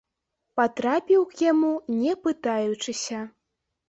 Патрапіў к яму, не пытаючыся.